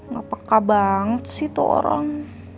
ngapakah banget sih itu orang